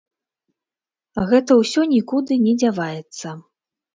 Гэта ўсё нікуды не дзяваецца.